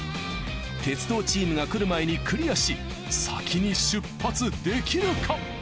鉄道チームが来る前にクリアし先に出発できるか？